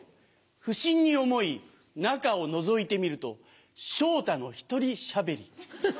不審に思い中をのぞいてみると昇太の１人しゃべり。